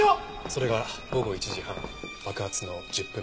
それが午後１時半爆発の１０分前です。